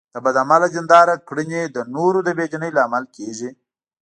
د بد عمله دیندارانو کړنې د نورو د بې دینۍ لامل کېږي.